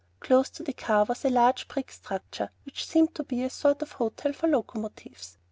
Close to the car was a large brick structure which seemed to be a sort of hotel for locomotives.